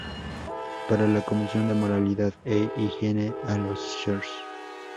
Para la comisión de Moralidad e Higiene a los Srs.